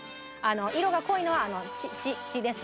色が濃いのは血ですね。